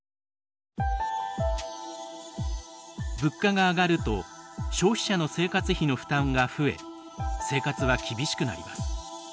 物価が上がると消費者の生活費の負担が増え生活は厳しくなります。